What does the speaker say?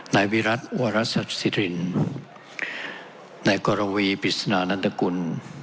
นายวิรัติวรัสสิรินนายกรวีปริศนานันตกุล